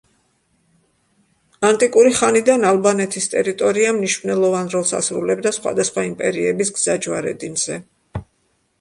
ანტიკური ხანიდან ალბანეთის ტერიტორია მნიშვნელოვან როლს ასრულებდა სხვადასხვა იმპერიების გზაჯვარედინზე.